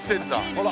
ほら。